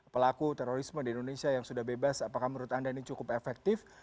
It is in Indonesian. pelaku terorisme di indonesia yang sudah bebas apakah menurut anda ini cukup efektif